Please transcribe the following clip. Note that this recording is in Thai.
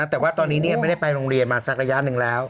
แต่ว่าตอนนี้ไม่ได้ไปโรงเรียนมาสักระยะหนึ่งแล้ว